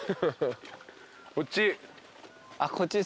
こっち。